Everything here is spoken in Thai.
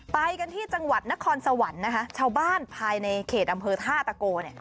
ไปกันที่จังหวัดนครสวรรค์นะคะชาวบ้านภายในเขตอำเภอท่าตะโกเนี่ย